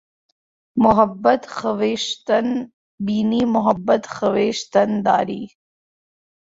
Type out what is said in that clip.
محبت خویشتن بینی محبت خویشتن داری